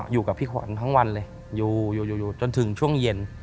อยู่จนถึงช่วงเย็น